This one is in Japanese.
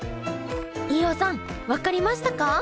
飯尾さん分かりましたか？